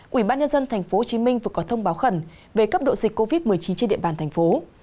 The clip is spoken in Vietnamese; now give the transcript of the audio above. quỹ ban nhân dân tp hcm vừa có thông báo khẩn về cấp độ dịch covid một mươi chín trên địa bàn thành phố